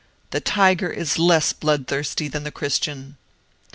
The tiger is less bloodthirsty than the Christian!"